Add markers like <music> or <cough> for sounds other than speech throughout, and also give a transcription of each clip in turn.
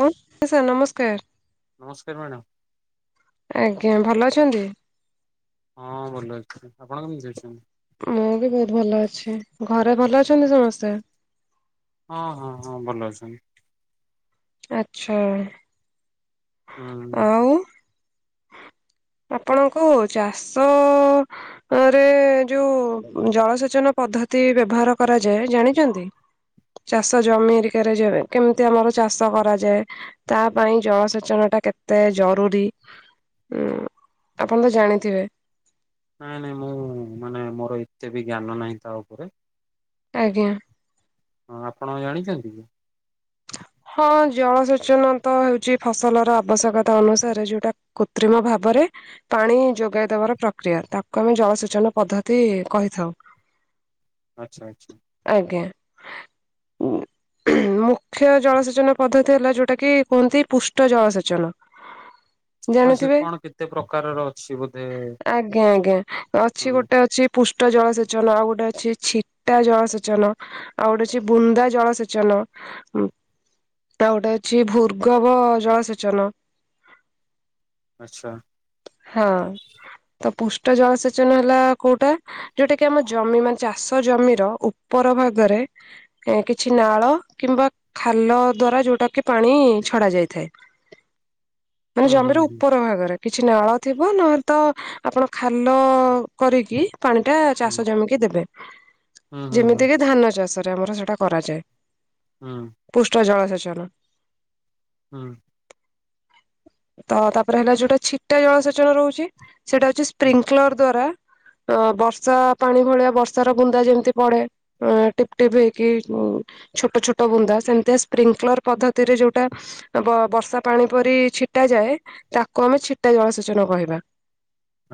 ହଁ ସାର୍ ନମସ୍କାର। ନମସ୍କାର ମ୍ୟାଡ଼ାମ। ଆଜ୍ଞା ଭଲ ଅଛନ୍ତି? ହଁ ଭଲ ଅଛି। ଆପଣ କେମିତି ଅଛନ୍ତି? ମୁଁ ବି ବହୁତ ଭଲ ଅଛି। ଘରେ ଭଲ ସମସ୍ତେ। ହଁ ହଁ ହଁ ଭଲ ଅଛନ୍ତି। ଆଚ୍ଛା। ହୁଁ। ଆଉ ଆପଣଙ୍କୁ ଚାଷ ରେ ଯୋଉ ଜଳସେଚନ ପଦ୍ଧତି ବ୍ୟବହାର କରାଯାଏ ଜାଣିଛନ୍ତି? ଚାଷ ଜମି ଏରିକାରେ କେମିତି ଆମର ଚାଷ କରାଯାଏ ତା ପାଇଁ ଜଳ ସେଚନଟା କେତେ ଜରୁରୀ ଆପଣ ତ ଜାଣିଥିବେ। କେତେ ବି ଜ୍ଞାନ ନାହିଁ ତା ଉପରେ। ଆଜ୍ଞା। ହଁ ଆପଣ ଜାଣିଛନ୍ତି କି? ହଁ। ଜଳସେଚନ ତ ହଉଛି ଫସଲର ଆବଶ୍ୟକତା ଅନୁସାରେ ଯୋଉଟା କୃତ୍ରିମ ଭାବରେ ପାଣି ଯୋଗାଇଦବାର ପ୍ରକ୍ରିୟା ତାକୁ ଆମେ ଜଳସେଚନ ପଦ୍ଧତି କହିଥାଉ। ଆଚ୍ଛା ଆଚ୍ଛା। ଉ ମୁଁ। ମୁଖ୍ୟ ଜଳସେଚନ ପଦ୍ଧତି ହେଲା ଯୋଉଟା କି କୁହନ୍ତି ପୁଷ୍ଟ ଜଳ ସେେଚନ। ହଁ ସେ ଜାଣିଥିବେ କଣ କେତେ ପ୍ରକାରର ଅଛି ବୋଧେ ଆଜ୍ଞା ଆଜ୍ଞା ଅଛି ହଁ। ଗୋଟେ ଅଛି ପୁଷ୍ଟ ଜଳସେଚନ ଆଉ ଗୋଟେ ଅଛି ଛିଟା ଜଳସେଚନ ଆଉ ଗୋଟେ ଅଛି ବୁନ୍ଦା ଜଳସେଚନ। ହଁ। ଉଁ ତା ଗୋଟେ ଅଛି ଭୂର୍ଗବ ଜଳ ସେେଚନ। ଆଚ୍ଛା। ହଁ। ତ ପୁଷ୍ଟ ଜଳ ସେେଚନ ହେଲା କୋଉଟା ଯୋଉଟା କି ଆମ ଜମି ମାନେ ଚାଷ ଜମିର ଉପ ଉପର ଭାଗରେ କିଛି ନାଳ କିମ୍ବା ଖାଲ ଦ୍ଵାରା ଯୋଉଟା କି ପାଣି ଛଡା ଯାଇଥାଏ। ମାନେ ହୁଁ ହୁଁ ଜମିର ହୁଁ ଉପର ଭାଗରେ। କିଛି ନାଳ ଥିବ ନହେଲେ ତ ଆପଣ ଖାଲ କରିକି ପାଣିଟା ଚାଷ ଜମିକି ଦେବେ। ହୁଁ ହୁଁ ହୁଁ ହୁଁ ଯେମିତି କିି ଧାନ ଚାଷରେ ଆମର ସେଟା କରାଯାଏ। ହୁଁ। ପୃଷ୍ଠ ଜଳସେଚନ। ହୁଁ। ତ ତାପରେ ହେଲା ଯୋଉଟା ଛିଟା ଜଳସେଚନ ରହୁଛି ସେଇଟା ହଉଛି ହୁଁ। ସ୍ପ୍ରିଙ୍କଲର ଦ୍ଵାରା ଅ ବର୍ଷା ପାଣି ଭଳିଆ ବର୍ଷାର ବୁନ୍ଦା ଯେମିତି ପଡେ ଏ ଟିପିଟିପି ହେଇକି ହୁଁ ଛୋଟ ଛୋଟ ବୁନ୍ଦା ସେମିତି ସ୍ପ୍ରିଙ୍କଲର ପଦ୍ଧତିରେ ଯୋଉଟା ବ ବର୍ଷା ପାଣି ପରି ଛିଟ ଛିଟା ଯାଏ ତାକୁ ଆମେ ଛିଟା ଜଳସେଚନ କହିବା।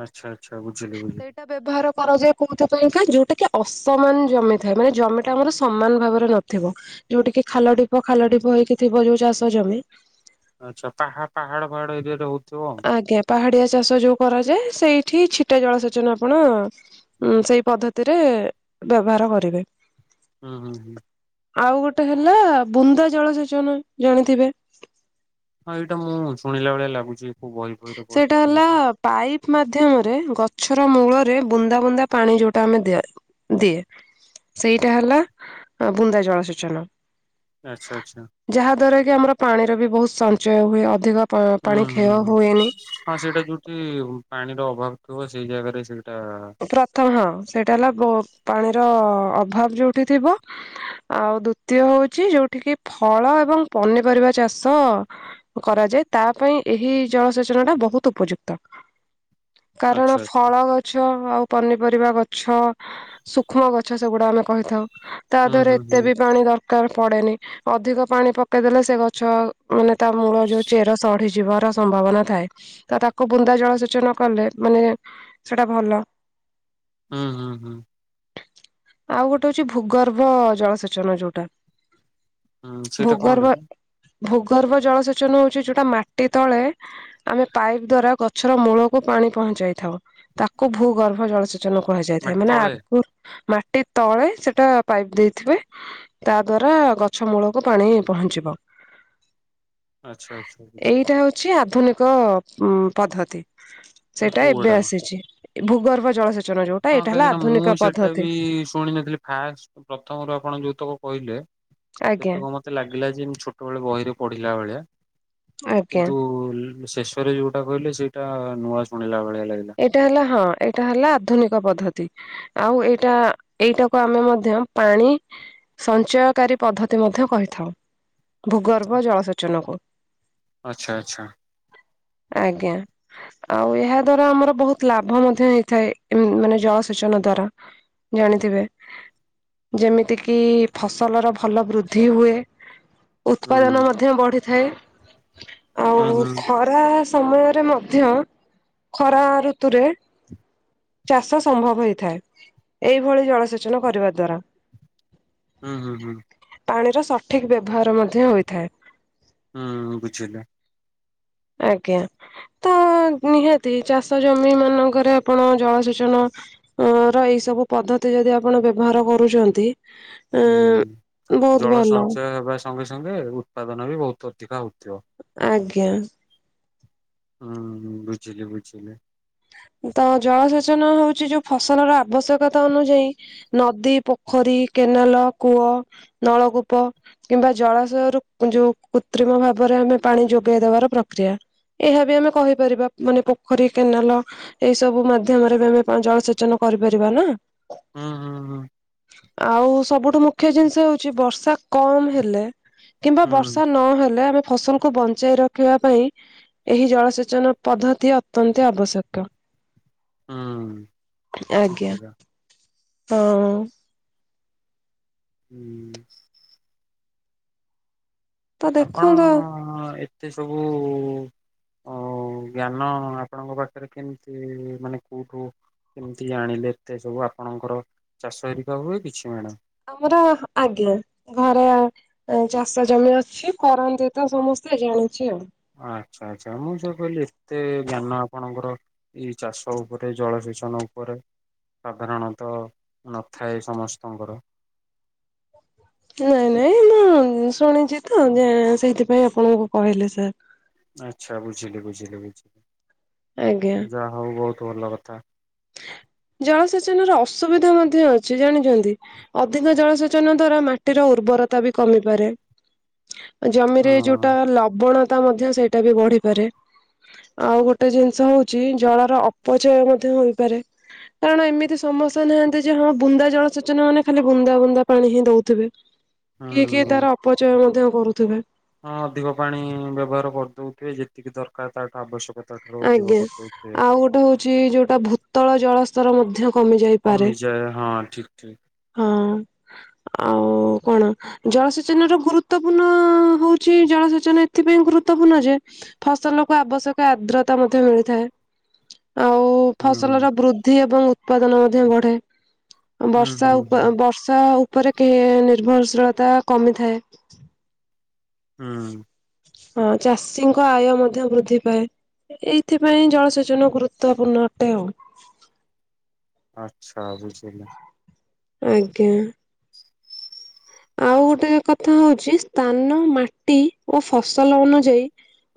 ଆଚ୍ଛା ଆଚ୍ଛା ବୁଝିଲି ବୁଝିଲି। ସେଇଟା ବ୍ୟବହାର କରାଯାଏ କୋଉଥି ପାଇଁଁ କା ଯୋଉଟା କି ଅସମାନ ଜମି ଥାଏ ମାନେ ଜମିଟା ଆମର ସମାନ ଭାବରେ ନଥିବ। ଯୋଉଠ କିି ଖାଲ ଢିପ ଖାଲ ଢିପ ହେଇକି ଥିବ ଯୋଉ ଚାଷ ଜମି ଆଚ୍ଛା ପାହା ପାହାଡ଼ ପହାଡ଼ ଏରିଆ ହଉଥିବ। ଆଜ୍ଞା ପାହାଡିଆ ଚାଷ ଯୋଉ କରାଯାଏ ସେଇଠି ଛିଟା ଜଳସେଚନ ଆପଣ ହୁଁ ସେଇ ପଦ୍ଧତିରେ ବ୍ୟବହାର କରିବେ। ହୁଁ ହୁଁ। ଆଉ ଗୋଟେ ହେଲା ବୁନ୍ଦା ଜଳସେଚନ ଜାଣିଥିବେ। ହଁ ଏଇଟା ମୁଁ ଶୁଣିଲା ଭଳିଆ ଲାଗୁଛି। କୋଉ ବହି ଫହିରେ ସେଇଟା ପଢିଥିଲି ହେଲା ବୋଧେ। ପାଇପ ମା ମାଧମରେ ଗଛର ମୂଳରେ ବୁନ୍ଦା ବୁନ୍ଦା ପାଣି ଯୋଉଟା ଆମେ ଦିଆ ଦିଏ। ସେଇଟା ହେଲା ବୁନ୍ଦା ଜଳସେଚନ। ଆଛା ଆଚ୍ଛା। ଯାହା ଦ୍ଵାରା କି ଆମର ପାଣିର ବି ବହୁତ ସଞ୍ଚୟ ହୁଏ ଅଧିକ ପ୍ର ହୁଁ ପାଣି ହୁଁ ହୁଁ କ୍ଷୟ ହୁଏନି ହଁ ସେଇଟା ଯୋଉଠି ପାଣିର ଅଭାବ ଥିବ ସେଇ ଜାଗାରେ ସେ ପ୍ରଥମ ହଁ ସେଇଟା ହେଲା ବ ପାଣିର ଅ ଅଭାବ ଯୋଉଠି ଥିବ ଆଉ ଦ୍ଵିତୀୟ ହଉଛି ଯୋଉଠି କିି ଫଳ ଏବଂ ପନିପରିବା ଚାଷ ଷ କରାଯାଏ ତା ପାଇଁ ଏହି ଜଳ ସେଚନ ଟା ବହୁତ ଉପଯୁକ୍ତ। କାରଣ ଆଚ୍ଛା ଆଚ୍ଛା। ଫଳ ଗଛ ଆଉ ପନିପରିବା ଗଛ ସୂକ୍ଷ୍ମ ଗଛ ସେଗୁଡା ଆମେ କହିଥାଉ। ତା ହୁଁ ଦେରେ ହୁଁ ଏତେ ହୁଁ ବି ପାଣି ର ଦରକାର୍ ପଡେନି ଅଧିକ ପାଣି ପକେଇଦେଲେ ସେ ଗଛ ମାନେ ତା ମୂଳ ଯୋଉ ଚେର ସଢି ଯିବାର ସମ୍ଭାବନା ଥାଏ ତ ତାକୁ ବୁନ୍ଦା ଜଳ ସେଚନ କଲେ ମାନେ ସେଟା ଭଲ। ହୁଁ ହୁଁ ହୁଁ। ଆଉ ଗୋଟେ ହଉଛି ଭୂଗର୍ଭ ଜଳ ସେଚନ ଯୋଉଟା ହୁଁ ସେଇଟା ଭୂଗର୍ଭ କଣ୍ଟା? ଭୂଗର୍ଭ ଜଳ ସେଚନ ହଉଛି ଯୋଉଟା ମାଟି ତଳେ ଆମେ ପାଇପ୍ ଦ୍ଵାରା ଗଛର ମୂଳକୁ ପା ପାଣି ପହଞ୍ଚାଇ ଥାଉ ତାକୁ ଭୂ ଗର୍ଭ ଜଳସେଚନ କୁହାଯାଇଥାଏ ମାଟି ମାନେ ତଳେ ଆଗରୁ ମା ଟି ତଳେ ସେଟା ପାଇପ ଦେଇଥିବେ ତା ଦ୍ଵାରା ଗଛ ମୂଳକୁ ପାଣି ପହଞ୍ଚିବ। ଆଚ୍ଛା ଆଚ୍ଛା ଆଚ୍ଛା। ଏଇଟା ହଉଛି ଆଧୁନିକ ଉ ପଦ୍ଧତି ମାନେ ସେଇଟା କୋଉ ଏବେ ଗୁଡା ଆସିଛି ଭୂଗର୍ଭ ଜଳ ସେ ହଁ କାହିଁକି ନା ମୁଁ ସେଇଟା ବି ଶୁଣି ନଥିଲି ଫାଷ୍ଟ ପ୍ରଥମରୁ ଆପଣ ଯୋଉ ତକ କହିଲେ ଆଜ୍ଞା ସେତକ ମତେ ଲାଗିଲା ଯେ ମୁ ଛୋଟବେେଳେ ବହିରେ ପଢିଲା ଭଳିଆ। ଆଜ୍ଞା। କିନ୍ତୁ ଶେଷରେ ଯୋଉଟା କହିଲେ ସେଇଟା ନୂଆ ଶୁଣିଲା ଭଳିଆ। ଲାଗିଲା ଏଇଟା ହେଲା ହଁ ଏଇଟା ହେଲା ଆଧୁନିକ ପଦ୍ଧତି। ଆଉ ଏଇଟା ଏଇଟାକୁ ଆମେ ମଧ୍ୟ ପାଣି ସଞ୍ଚୟକାରୀ ପଦ୍ଧତି ମଧ୍ୟ କହିଥାଉ ଭୂଗର୍ଭ ଜଳସେଚନକୁ ଆଚ୍ଛା ଆଚ୍ଛା। ଆଜ୍ଞା ଆଉ ଏହା ଦ୍ଵାରା ଆମର ବହୁତ ଲାଭ ମଧ୍ୟ ହେଇଥାଏ ମାନେ ଜଳସେଚନ ଦ୍ଵାରା ଜାଣିଥିବେ। ଯେମିତିକି ଫସଲର ଭଲ ବୃଦ୍ଧି ହୁଏ। ହୁଁ ଉତ୍ପାଦନ ମଧ୍ୟ ବଢ଼ିଥାଏ। ହୁଁ ଆଉ ହୁଁ ଖରା ସମୟରେ ମଧ୍ୟ ଖରା ଋତୁରେ ଚାଷ ସମ୍ଭବ ହେଇଥାଏ ଏଇଭଳି ଜଳସେଚନ କରିବା ଦ୍ଵାରା ହୁଁ ହୁଁ ହୁଁ। ପାଣିର ସଠିକ ବ୍ୟବହାର ମଧ୍ୟ ହୋଇଥାଏ। ହୁଁ ବୁଝିଲ। ଆଜ୍ଞା ତ ନିହା ଚାଷ ଜମି ମାନଙ୍କରେ ଆପଣ ଜଳସେଚନ ଅ ର ଏଇ ସବୁ ପଦ୍ଧତି ଯଦି ଆପଣ ବ୍ୟବହାର କରୁଛନ୍ତି। ଅ ହୁଁ ବହୁତ ଜଳ ଭଲ ସଞ୍ଚୟ ହେବା ସଙ୍ଗେ ସଙ୍ଗେ ଉତ୍ପାଦନ ବି ବହୁତ ଅଧିକା ହଉଛି। ତ ଡ୍ୟାନ୍ସ ହୁଁ ବୁଝିଲି ବୁଝିଲି। ତ ଜଳ ସେଚନ ହଉଛି ଯୋଉ ଫସଲର ଆବଶ୍ୟକତା ଅନୁଯାୟୀ ନଦୀ ପୋଖ କେନାଲ କୂଅ ନଳକୂପ କିମ୍ବା ଜଳାଶୟରୁ ଯୋଉ କୃତ୍ରିମ ଭାବରେ ଆମେ ପାଣି ଯୋଗେଇଦବାର ପ୍ରକ୍ରିୟା ଏହା ବି ଆମେ କହିପାରିବା ମାନେ ପୋଖରୀ କେନାଲ ଏଇ ସବୁ ମାଧ୍ୟମରେ ବି ଆମେ ଜଳ ସେଚନ କରିପାରିବା ନା। ହୁଁ ହୁଁ ଆଉ ସବୁ ମୁଖ୍ଯ ଜିନିଷ ହେଉଛି ବର୍ଷା କମ୍ ହେଲେ କିମ୍ବା ହୁଁ ବର୍ଷା ନହେଲେ ଆମେ ଫସଲକୁ ବଞ୍ଚାଇ ରଖିବା ପାଇଁ ଏହି ଜଳସେଚନ ପଦ୍ଧତି ଅତ୍ୟନ୍ତ ଆବଶ୍ୟକ। ହୁଁ ହୁଁ। ଠିକ ଆଜ୍ଞା। କଥା ହଁ। ହୁଁ। ତ ଆପଣ ଦେଖନ୍ତୁ ଏତେ ସବୁ ଅ ଜ୍ଞାନ ଆପଣଙ୍କ ପାଖରେ କେମିତି ମାନେ କୋଉଠୁ କେମିତି ଜାଣିଲେ ଏତେ ସବୁ ଆପଣଙ୍କର ଚାଷ ହେରିକା ହୁଏ କିଛି ମଣ। ଆମର ଆଜ୍ଞା ଘରେ ଚାଷ ଜମି ଅଛି କରନ୍ତି ତ ସମସ୍ତ ସେ ଜାଣିଛି ଆଉ। ଆଚ୍ଛା ଆଚ୍ଛା ମୁଁ ଯୋଉ କହିଲି ଏତେ ଜ୍ଞାନ ଆପଣଙ୍କର ଏଇ ଚାଷ ଉପରେ ଜଳ ସେଚନ ଉପରେ ସାଧାରଣତ ନଥାଏ ସମସ୍ତଙ୍କର। <inaudible> ନାଇଁ ନାଇଁ ମୁଁ ଶୁଣିଛି ତ ସେଇଥିପାଇଁ ଆପଣଙ୍କୁ କହିଲି ସାର୍। ଆଚ୍ଛା ବୁଝିଲି ବୁଝିଲି ବୁଝିଲି ଯାହା ହଉ ବହୁତ ଭଲ କଥା। <inaudible> ଜଳସେଚନ ର ଅସୁବିଧା ମଧ୍ୟ ଅଛି ଜାଣିଛନ୍ତି ଅଧିକ ଜଳସେଚନ ଦ୍ଵାରା ମାଟିର ବରତା ବି କମି ପରେ ଜମିରେ ହଁ ହୁଁ। ଯୋଉଟା ଲବଣ ତା ମଧ୍ୟ ସେଇଟା ବି ବଢିପାରେ ଆଉ ଗୋଟେ ଜିନିଷ ହଉଛି ଜଳର ଅପଚୟ ମଧ୍ୟ କାରଣ ଏମିତି ସମସ୍ୟା ନାହାନ୍ତି ଯେ ହଁ ବୁନ୍ଦା ଜଳସେଚନ ମାନେ ଖାଲି ବୁନ୍ଦା ବୁନ୍ଦା ପାଣି ହିଁ ଦଉ ଥିବେ କିଏ କିଏ ତାର ଅପଚୟ ମଧ୍ୟ କରୁଥିବେ। ହଁ ଅଧିକ ପାଣି ବ୍ୟବହାର କରିଦଉଥିବେ ଯେତିକି ଦରକାର ତାଠୁ ଆବଶ୍ୟକତା ଠାରୁ ଅଧିକ ଆଜ୍ଞା। କରିଦାଉଥିବେ। ଆଉ ଗୋଟେ ହଉଛି ଯୋଉଟା ଭୂତଳ ଜଳସ୍ତର ମଧ୍ୟ କମି ଯାଇପାରେ। କମିଯାଏ ହଁ ଠିକ ଠିକ। ହଁ। ଆଉ ଓ କଣ ଜଳସେଚନ ର ଗୁରୁତ୍ୱପୂର୍ଣ୍ଣ ହଉଛି ଜଳସେଚନ ଏଥିପାଇଁ ଗୁରୁତ୍ୱପୂର୍ଣ୍ଣ ଯେ ଫସଲକୁ ଆବଶ୍ୟକ ଆଦ୍ର ତା ମଧ୍ୟ ମିଳିଥାଏ ଆଉ ହୁଁ ଫସଲର ବୃଦ୍ଧି ଏବଂ ଉତ୍ପାଦନ ମଧ୍ୟ ବଢେ ହୁଁ ବର୍ଷା ହୁଁ ହୁଁ ବର୍ଷା ଉପରେ କେ ନିର୍ଭରଶୀଳତା କମିଥାଏ। ହୁଁ। ହଁ ଚାଷୀଙ୍କ ଆୟ ମଧ୍ୟ ବୃଦ୍ଧି ପାଏ। ଏଇଥିପାଇଁ ଜଳସେଚନ ଗୁରୁତ୍ୱପୂର୍ଣ୍ଣ ଅଟେ ଆଉ। ଆଚ୍ଛା ବୁଝିଲି। ଆଜ୍ଞା। ଆଉ ଗୋଟେ କଥା ହଉଛି ସ୍ଥାନ ମାଟି ଓ ଫସଲ ଅନୁଯାୟୀ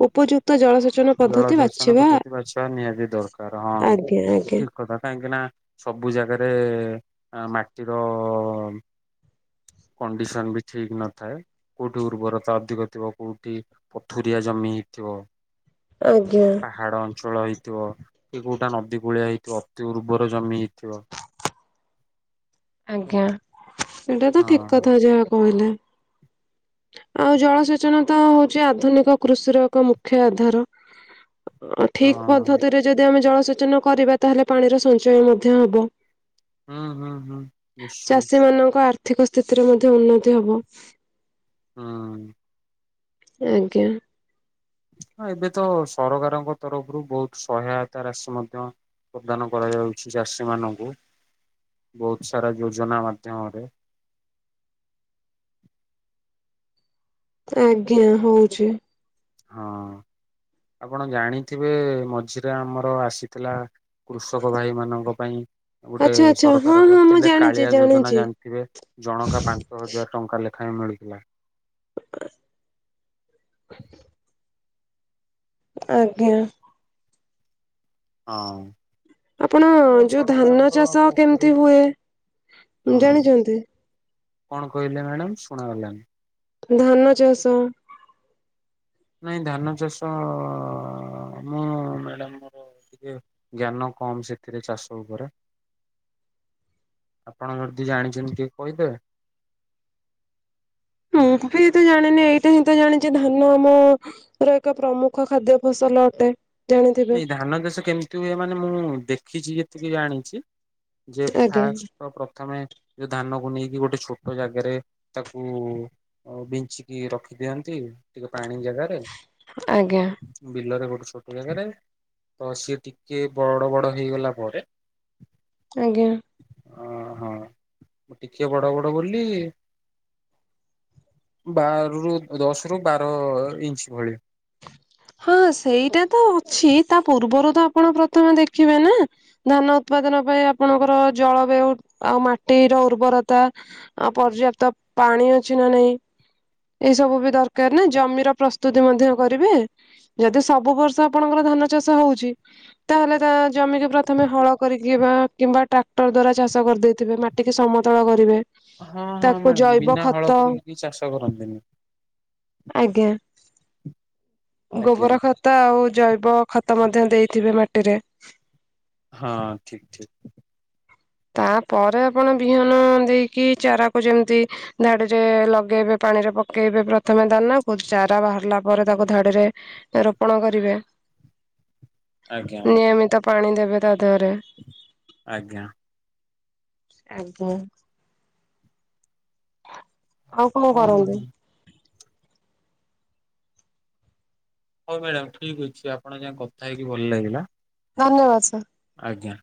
ଉପଯୁ ଜଳସେଚନ ପ୍ରଦ୍ଧତି ବାଛିବା ନିହାତି ଦରକାର୍ ହଁ ଆଜ୍ଞା ଆଜ୍ଞା ଠିକ୍ କଥା କାହିଁକି ନା ସବୁ ଜାଗାରେ ମାଟିର <inaudible> କଣ୍ଡିସନ୍ ବି ଠିକ୍ ନଥାଏ କୋଉଠି ଉର୍ବରତା ଅଧିକ ଥିବ କୋଉଠି ପଥୁରିଆ ଜମି ଥିବ। ଆଜ୍ଞା। ପାହାଡ଼ ଅଞ୍ଚଳ ହେଇଥିବ କି କୋଉଟା ନଦୀ କୂଳିଆ ହେଇଥିବ ଅତି ଉର୍ବର ଜମି ଥିବ। ଆଜ୍ଞା ସେଇଟା ତ ଠିକ୍ ହଁ କଥା ଯାହା କହିଲେ। ଆଉ ଜଳସେଚନ ତ ହଉଛି ଆଧୁନିକ କୃଷିର ଏକ ମୁଖ୍ୟ ଆଧାର। <inaudible> ଠିଊକ ହଁ ପଦ୍ଧତିରେ ଯଦି ଆମେ ଜଳସେଚନ କରିବା ତାହେଲେ ପାଣିର ସଞ୍ଚୟ ମଧ୍ୟ ହବ। ହୁଁ ହୁଁ। ନିଶ୍ଚୟ ଚାଷୀମାନଙ୍କ ଆର୍ଥିକ ସ୍ଥିତିରେ ମଧ୍ୟ ଉନ୍ନତି ହବ। ହୁଁ। ଆଜ୍ଞା। ହ ଏବେ ତ ସରକାରଙ୍କ ତରଫରୁ ବହୁତ୍ ସହାୟତା ରାଶି ମଧ୍ୟ ପ୍ରଦାନ କରାଯାଉଛି ଚାଷୀ ମାନଙ୍କୁ। ବହୁତ୍ ସାରା ଯୋଜନା ମାଧ୍ୟମରେ <unintelligible> ଆଜ୍ଞା ହଉଛି। ହଁ ଆପଣ ଜାଣିଥିବେ ମଝିରେ ଆମର ଆସିଥିଲା କୃଷକ ଭାଇ ମାନଙ୍କ ପାଇଁ ଗୋଟେ ଆଚ୍ଛା ଆଚ୍ଛା ହଁ ସରକାର ହଁ ମୁଁ କରିଥିଲେ ଜାଣିଛି କାଳିଆ ଯୋଜନା ଜାଣିଛି ଜାଣିଥିବେ। ଜଣଙ୍କା ପାଞ୍ଚ ହଜାର ଟଙ୍କା ଲେଖ ଖାଏଁ ମିଳୁଥିଲା। ଆଜ୍ଞା। ହଁ। ଆପଣ ଓ ଯୋଉ ଧାନ ସରକାରଙ୍କ ଚାଷ ପକ୍ଷରୁ କେମିତି ହୁଏ ଜାଣିଛନ୍ତି? କଣ କହିଲେ ମ୍ୟାଡ଼ାମ ଶୁଣାଗଲାଣିି। ଧାନ ଚାଷ। ନାଇଁ ଧାନ ଚାଷ ମୁଁ ମ୍ୟାଡାମ୍ ମୋର ଜ୍ଞାନ କମ୍ ସେଥିରେ ଚାଷ ଉପରେ। <inaudible> ଆପଣ ଯଦି ଜାଣିଛନ୍ତି ଟିକେ କହିଦେବେ? ହୁଁ ମୁ ବି ଏତେ ଜାଣିନି ଏଇଟା ହିଁ ତ ଜାଣିଛି ଧାନ ଆମର ଏକ ପ୍ରମୁଖ ଖାଦ୍ୟ ଫସଲ ଅଟେ। ଜାଣିଥିବେ ଏଇ ଧାନ ଚାଷ କେମିତି ହୁଏ ମାନେ ମୁଁ ଦେଖିଛି ଯେତିକି ଜାଣିଛି। ଯେ ଆଜ୍ଞା ଫାଷ୍ଟ୍ ତ ପ୍ରଥମେ ଯୋଉ ଧାନକୁ ନେଇକି ଗୋଟେ ଛୋଟ ଜାଗାରେ ତାକୁ ବିଞ୍ଚିକି ରଖିଦିଅନ୍ତି। ଟିକେ ପାଣି ଜାଗାରେ ଆଜ୍ଞା ବିଲରେ ଗୋଟେ ଛୋଟ ଜାଗାରେ ତ ସିଏ ଟିକେ ବଡ଼ ବଡ଼ ହେଇଗଲା ପରେ ଆଜ୍ଞା। ଓହୋ ଟିକେ ବଡ଼ ବଡ଼ ବୋଲି ବାର ରୁ ଦଶ ରୁ ବାର ଇଞ୍ଚ୍ ଭଳି ହଁ ସେଇଟା ତ ଅଛି ତା ପୂର୍ବରୁ ତ ଆପଣ ପ୍ରଥମେ ଦେଖିବେ ନା ଧାନ ଉତ୍ପାଦନ ପାଇଁ ଆପଣଙ୍କର ଜଳବାୟୁ ଆଉ ମାଟିର ଉର୍ବରତା ଆ ପର୍ଯ୍ୟାପ୍ତ ପାଣି ଅଛି ନା ନାଇଁ ଏଇ ସବୁ ବି ଦରକାର ନା ଜମିର ପ୍ରସ୍ତୁତି ମଧ୍ୟ କରିବେ। ଯଦି ସବୁ ବର୍ଷ ଆପଣଙ୍କର ଧାନ ଚାଷ ହଉଛି ତାହେଲେ ତା ଜମିିକି ପ୍ରଥମେ ହଳ କରି <unintelligible> କିମ୍ବା ଟ୍ରାକ୍ଟର ଦ୍ଵାରା ଚାଷ କରିଦେଇଥିବେ ମାଟିିକି ସମତଳ କରିବେ। ହଁ ହଁ ତାକୁ ମ୍ୟାଡ଼ାମ ଜୈବ ବିନା ହଳ ଖତ କରିକି କେହି ଚାଷ କରନ୍ତିନି ଆଜ୍ଞା। ଆଜ୍ଞା। ଗୋବର ଖତ ଆଉ ଜୈବ ଖତ ମଧ୍ୟ ଦେଇଥିବେ ମାଟିରେ। ହଁ ଠିକ ଠିକ। ତାପରେ ଆପଣ ବିହନ ଦେଇକି ଚାରାକୁ ଯେମିତି ଧାଡିରେ ଲଗେଇବେ। ପାଣିରେ ପକେଇବେ ପ୍ରଥମେ ଦାନା କୁ ଚାରା ବାହାରିଲା ପରେ ତାକୁ ଧାଡିରେ ରୋପଣ କରିବେ। ଆଜ୍ଞା ଆଜ୍ଞା ନିୟମିତ ପାଣି ଦେବେ। ତା ଦେହରେ। ଆଜ୍ଞା। ଆଜ୍ଞା। ଆଉ କଣ ହଁ କରନ୍ତି? ମ୍ୟାଡ଼ାମ ହଉ ମ୍ୟାଡାମ ଠିକ ଅଛି ଆପଣ ଙ୍କ ସହ କଥା ହେଇକି ଭଲ ଲାଗିଲା। ଧନ୍ୟବାଦ ସାର୍। ଆଜ୍ଞା।